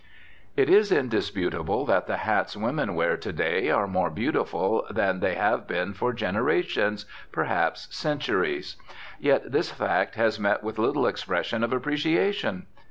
It is indisputable that the hats women wear to day are more beautiful than they have been for generations, perhaps centuries. Yet this fact has met with little expression of appreciation.